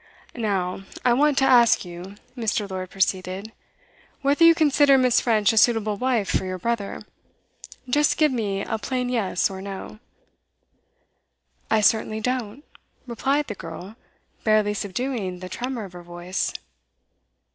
'Now, I want to ask you,' Mr. Lord proceeded, 'whether you consider Miss. French a suitable wife for your brother? Just give me a plain yes or no.' 'I certainly don't,' replied the girl, barely subduing the tremor of her voice.